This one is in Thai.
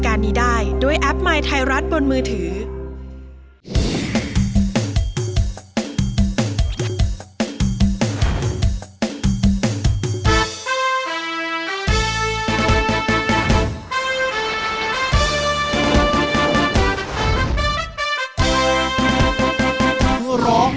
จากนานแห่งหลายคณาจากนานแห่งภาครัซพรรค